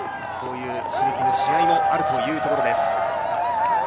そういう刺激が試合にもあるというところです。